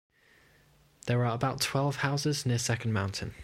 There are about twelve houses near Second Mountain.